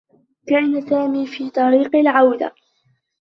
كان سامي في طريق العودة.